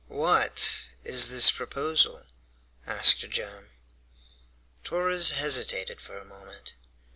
"What is this proposal?" asked Joam. Torres hesitated for a moment.